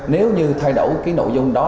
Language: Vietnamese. nếu như thay đổi cái nội dung đó